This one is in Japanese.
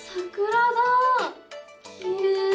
きれい。